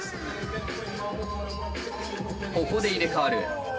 ここで入れ代わる。